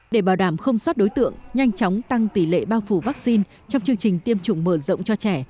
để bảo đảm không xót đối tượng nhanh chóng tăng tỷ lệ bao phủ vaccine trong chương trình tiêm chủng mở rộng cho trẻ